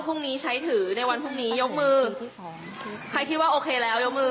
พรุ่งนี้ใช้ถือในวันพรุ่งนี้ยกมือสองใครคิดว่าโอเคแล้วยกมือ